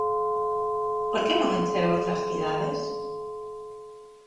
Por que non encher outras cidades?